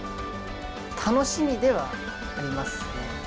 楽しみではありますね。